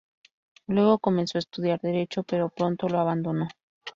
Luego comenzó a estudiar derecho pero pronto lo abandonó.